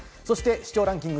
視聴ランキング